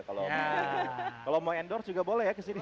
kalau mau endorse juga boleh ya kesini